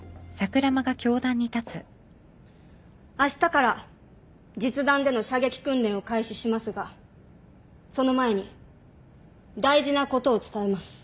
あしたから実弾での射撃訓練を開始しますがその前に大事なことを伝えます。